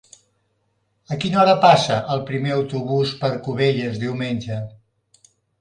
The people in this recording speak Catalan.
A quina hora passa el primer autobús per Cubelles diumenge?